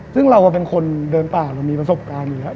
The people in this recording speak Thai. ซึ่งเราเป็นคนเดินป่าเรามีประสบการณ์อยู่แล้ว